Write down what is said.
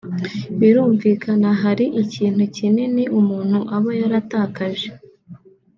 Birumvikana hari ikintu kinini umuntu aba yaratakaje